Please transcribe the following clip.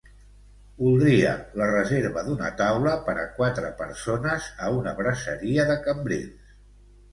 Voldria la reserva d'una taula per a quatre persones a una braseria de Cambrils.